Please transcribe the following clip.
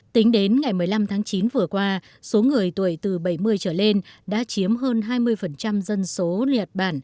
tính đến ngày một mươi năm tháng chín vừa qua số người tuổi từ bảy mươi trở lên đã chiếm hơn hai mươi trong năm hai nghìn một mươi bảy